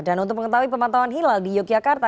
dan untuk mengetahui pemantauan hilal di yogyakarta